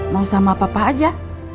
mau sama papa aja